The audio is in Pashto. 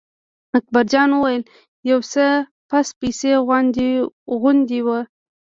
اکبر جان وویل: یو څه پس پسي غوندې و.